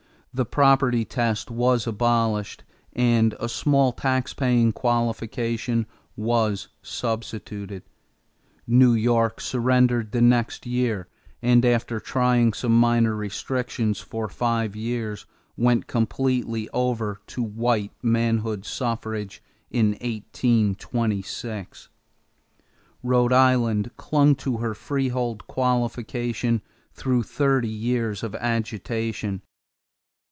The property test was abolished and a small tax paying qualification was substituted. New York surrendered the next year and, after trying some minor restrictions for five years, went completely over to white manhood suffrage in 1826. Rhode Island clung to her freehold qualification through thirty years of agitation.